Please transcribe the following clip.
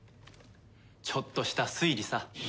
ちょっとした推理さ。